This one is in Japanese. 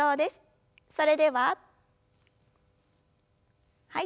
それでははい。